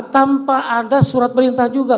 tanpa ada surat perintah juga